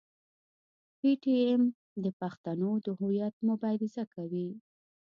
پي ټي ایم د پښتنو د هویت مبارزه کوي.